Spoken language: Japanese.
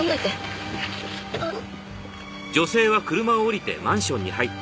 あっ。